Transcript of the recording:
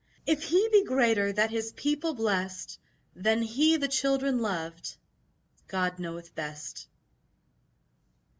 If he be greater that his people blessed Than he the children loved, God knoweth best.